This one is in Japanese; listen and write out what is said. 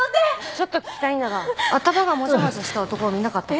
ちょっと聞きたいんだが頭がもじゃもじゃした男を見なかったか？